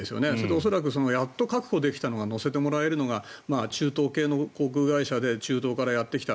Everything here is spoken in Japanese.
恐らく、やっと確保できた乗せてもらえるのが中東系の航空会社で中東からやってきた。